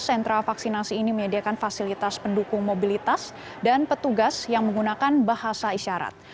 sentra vaksinasi ini menyediakan fasilitas pendukung mobilitas dan petugas yang menggunakan bahasa isyarat